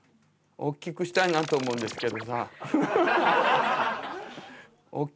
大きくしたいなと思うんですけど。